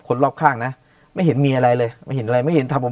คนรอบข้างนะไม่เห็นมีอะไรเลยไม่เห็นอะไรไม่เห็นทำผม